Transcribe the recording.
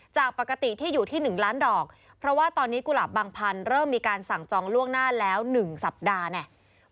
จากปกติที่อยู่ที่๑ล้านดอกเพราะว่าตอนนี้กุหลาบบางพันธุ์เริ่มมีการสั่งจองล่วงหน้าแล้ว๑สัปดาห์เนี่ย